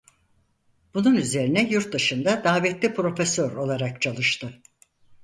Bunun üzerine yurtdışında davetli profesör olarak çalıştı.